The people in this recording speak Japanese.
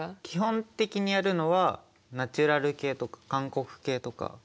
基本的にやるのはナチュラル系とか韓国系とか。